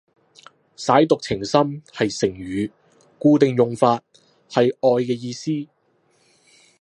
舐犢情深係成語，固定用法，係愛嘅意思